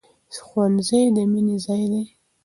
ښوونځی د مینې ځای دی.